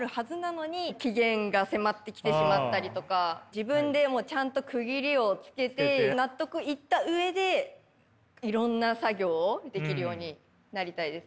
自分でもちゃんと区切りをつけて納得いった上でいろんな作業をできるようになりたいですね。